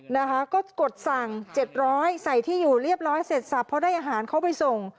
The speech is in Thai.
นะคะก็กดสั่ง๗๐๐ใส่ที่อยู่เรียบร้อยเสร็จสับเพราะได้อาหารเขาไปส่ง